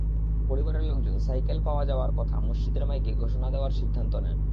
পরিবারের লোকজন সাইকেল পাওয়া যাওয়ার কথা মসজিদের মাইকে ঘোষণা দেওয়ার সিদ্ধান্ত নেন।